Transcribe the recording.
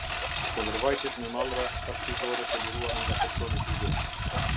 Kundërvajtjet me mallra akcizore të liruara nga personi fizik.